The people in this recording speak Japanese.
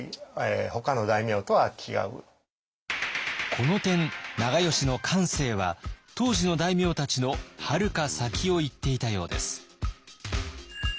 この点長慶の感性は当時の大名たちのはるか先をいっていたようです。